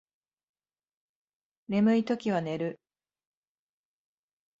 眠いときは寝る